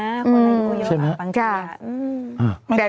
คนไหนอยู่ก็เยอะกว่าบางทีใช่ไหม